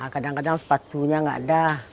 kadang kadang sepatunya nggak ada